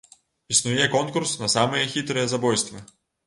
Існуе конкурс на самыя хітрыя забойствы.